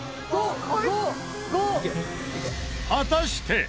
果たして。